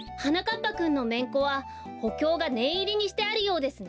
ぱくんのめんこはほきょうがねんいりにしてあるようですね。